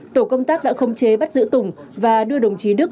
tổ công tác đã không chế bắt giữ tùng và đưa đồng chí đức